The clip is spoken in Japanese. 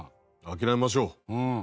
諦めましょう。